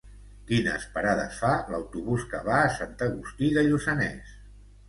Quines parades fa l'autobús que va a Sant Agustí de Lluçanès?